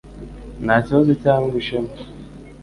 nta kibazo cyangwa ishema